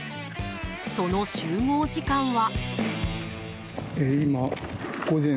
その集合時間は。